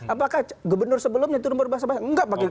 apakah gubernur sebelumnya turun berbasa basa enggak